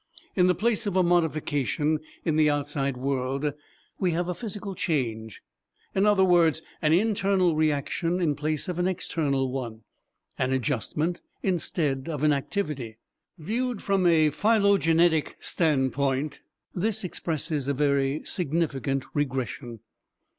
In the place of a modification in the outside world, we have a physical change, in other words, an internal reaction in place of an external one, an adjustment instead of an activity. Viewed from a phylogenetic standpoint, this expresses a very significant regression.